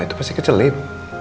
itu pasti kecelip